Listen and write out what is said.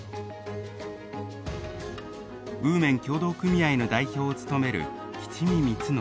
温麺協同組合の代表を務める吉見光宣。